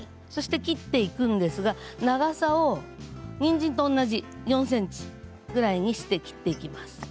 そして切っていくんですが長さをにんじんと同じ４ｃｍぐらいにして切っていきます。